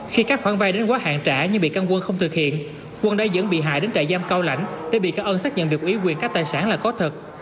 khi các khoản vay đến quá hạn trả nhưng vị can quân không thực hiện quân đã dẫn bị hại đến trại giam cao lãnh để vị can ơn xác nhận việc ủy quyền các tài sản là có thật